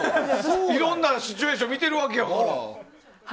いろんなシチュエーションを見ているわけやから。